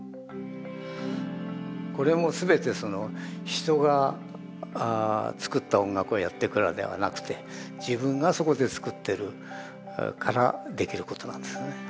これも全て人が作った音楽をやっていくのではなくて自分がそこで作ってるからできることなんですね。